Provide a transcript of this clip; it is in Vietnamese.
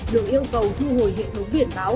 được yêu cầu thu hồi hệ thống biển báo